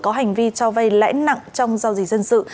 có hành vi cho vay lãi nặng trong giao dịch dân sự